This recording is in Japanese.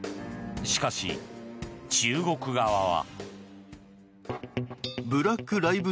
しかし、中国側は。